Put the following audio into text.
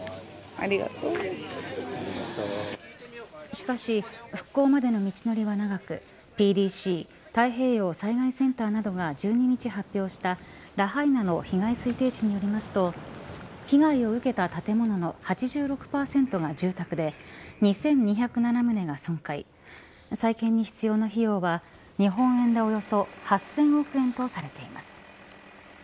しかし復興までの道のりは長くＰＤＣ＝太平洋災害センターなどが１２日に発表したラハイナの被害推定値によりますと被害を受けた建物の８６％が住宅で２２０７棟が損壊再建に必要な費用は日本円でおよそ８０００億円とされています。